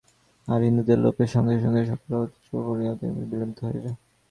আর হিন্দুদের লোপের সঙ্গে সঙ্গে সকল অধ্যাত্মজ্ঞানের চূড়ামণি অপূর্ব অদ্বৈতত্ত্বও বিলুপ্ত হইবে।